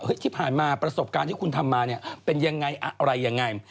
ที่ผ่านมาประสบการณ์ที่คุณทำมาเนี่ยเป็นยังไงอะไรยังไง